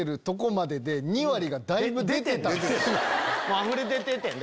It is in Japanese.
あふれ出ててん！